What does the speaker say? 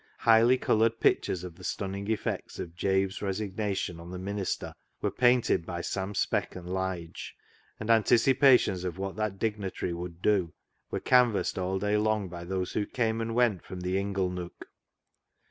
Highly coloured pictures of the stunning effects of Jabe's resignation on the minister were painted by Sam Speck and Lige, and anticipations of what that dignitary would do were canvassed all day long by those who came and went from the ingle nook.